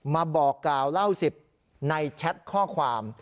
มาบอกกล่าวเล่า๑๐ในแชทข้อความ